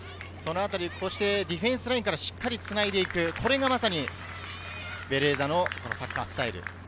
ディフェンスラインからしっかりつないでいく、これがベレーザのサッカースタイル。